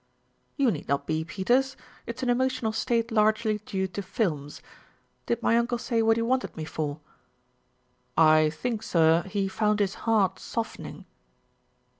"You need not be, Peters. It's an emotional state largely due to films. Did my uncle say what he wanted me for?" "I think, sir, he found his heart softening."